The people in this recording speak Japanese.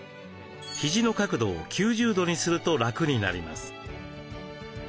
肘の角度を９０度にすると楽になります。